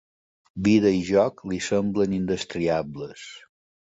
Vida i joc li semblen indestriables.